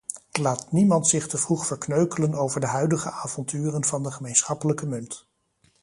Laat niemand zich te vroeg verkneukelen over de huidige avonturen van de gemeenschappelijke munt.